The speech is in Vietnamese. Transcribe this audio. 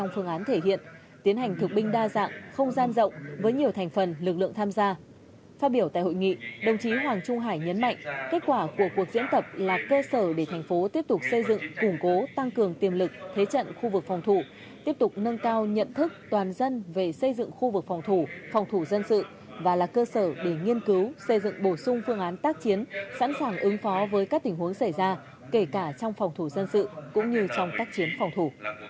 phát biểu tại hội nghị đồng chí hoàng trung hải nhấn mạnh kết quả của cuộc diễn tập là cơ sở để thành phố tiếp tục xây dựng củng cố tăng cường tiềm lực thế trận khu vực phòng thủ tiếp tục nâng cao nhận thức toàn dân về xây dựng khu vực phòng thủ phòng thủ dân sự và là cơ sở để nghiên cứu xây dựng bổ sung phương án tác chiến sẵn sàng ứng phó với các tình huống xảy ra kể cả trong phòng thủ dân sự cũng như trong tác chiến phòng thủ